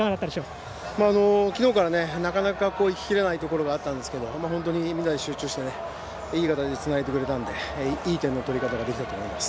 きのうはなかなかいききれないところがあったんですけど、みんなで集中してつないでくれたのでいい点の取り方ができたと思います。